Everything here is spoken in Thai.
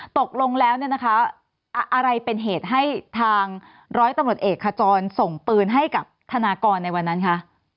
ตกลงแล้วเนี่ยนะคะอะไรเป็นเหตุให้ทางร้อยตำรวจเอกขจรส่งปืนให้กับธนากรในวันนั้นคะ